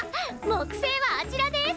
木星はあちらです！